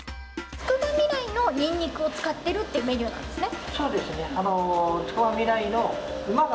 つくばみらいのにんにくを使っているっていうメニューなんですね。